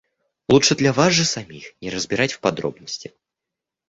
Лучше для вас же самих не разбирать в подробности.